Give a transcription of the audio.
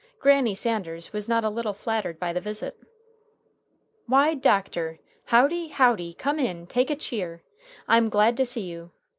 Granny Sanders was not a little flattered by the visit. "Why, doctor, howdy, howdy! Come in, take a cheer. I am glad to see you.